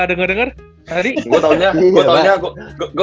denger dengar hari ketemunya ini aku